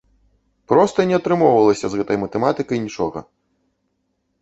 Проста не атрымоўвалася з гэтай матэматыкай нічога!